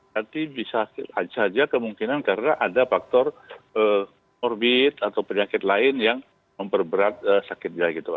tapi bisa saja kemungkinan karena ada faktor orbit atau penyakit lain yang memperberat sakitnya gitu